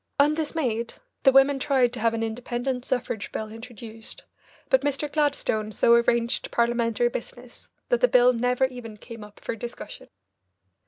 Undismayed, the women tried to have an independent suffrage bill introduced, but Mr. Gladstone so arranged Parliamentary business that the bill never even came up for discussion.